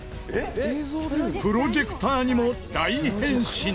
プロジェクターにも大変身！